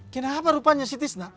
kenapa rupanya si tisna